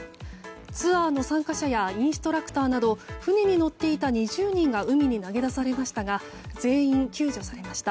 ツアーの参加者やインストラクターなど船に乗っていた２０人が海に投げ出されましたが全員救助されました。